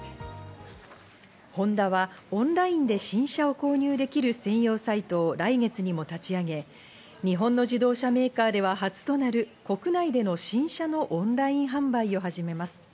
ホンダはオンラインで新車を購入できる専用サイトを来月にも立ち上げ、日本の自動車メーカーでは初となる国内での新車のオンライン販売を始めます。